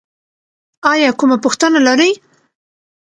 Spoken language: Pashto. ایا کومه پوښتنه لرئ؟